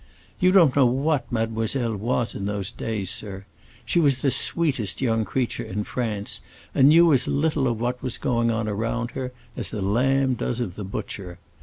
You don't know what Mademoiselle was in those days, sir; she was the sweetest young creature in France, and knew as little of what was going on around her as the lamb does of the butcher.